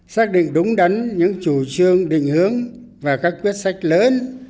xác định đúng đắn những chủ trương định hướng và các quyết sách lớn